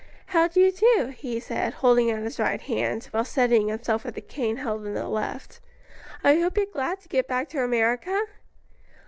"How do you do?" he said, holding out his right hand, while steadying himself with a cane held in the left. "I hope you're glad to get back to America?"